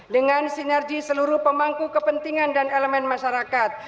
dengan sinergi seluruh pemangku kepentingan dan elemen masyarakat